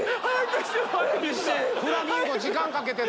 フラミンゴ時間かけてる。